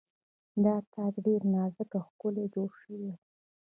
دا تاج ډیر نازک او ښکلی جوړ شوی و